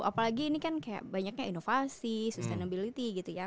apalagi ini kan kayak banyaknya inovasi sustainability gitu ya